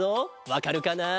わかるかな？